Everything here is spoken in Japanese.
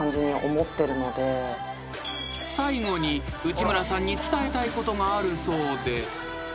［最後に内村さんに伝えたいことがあるそうで］